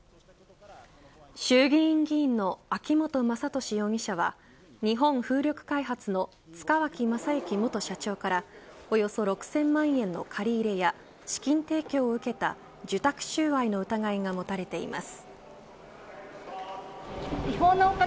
衆議院議員の秋本真利容疑者は日本風力開発の塚脇正幸元社長からおよそ６０００万円の借り入れや資金提供を受けた自宅収賄の疑いが持たれています。